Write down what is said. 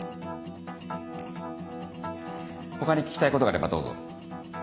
他に聞きたいことがあればどうぞ。